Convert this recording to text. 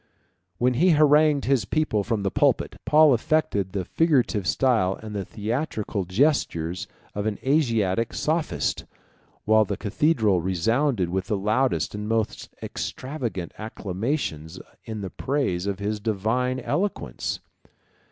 When he harangued his people from the pulpit, Paul affected the figurative style and the theatrical gestures of an Asiatic sophist, while the cathedral resounded with the loudest and most extravagant acclamations in the praise of his divine eloquence.